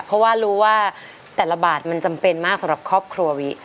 เพราะว่ารู้ว่าแต่ละบาทมันจำเป็นมากสำหรับครอบครัววิ